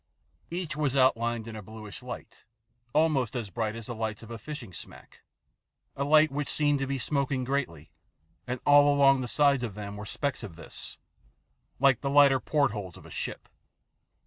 Each was outlined in a bluish light almost as 84 THE PLATTNER STORY AND OTHERS bright as the lights of a fishing smack, a light which seemed to be smoking greatly, and all along the sides of them were specks of this, like the lighter portholes of a ship.